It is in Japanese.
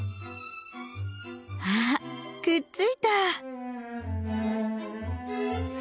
あくっついた！